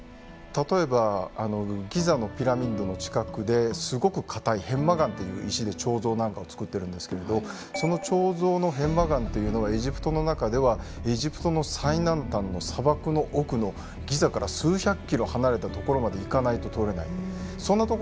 例えばギザのピラミッドの近くですごくかたい片麻岩という石で彫像なんかを作ってるんですけれどその彫像の片麻岩というのはエジプトの中ではエジプトの最南端の砂漠の奥のギザから数百キロ離れた所まで行かないと採れない。